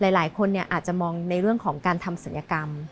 หลายคนอาจจะมองในเรื่องของการทำศัลยกรรม